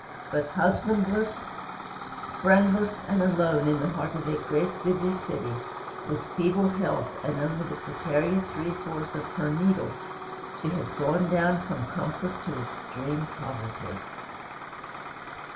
But husbandless, friendless, and alone in the heart of a great, busy city, with feeble health, and only the precarious resource of her needle, she has gone down from comfort to extreme poverty.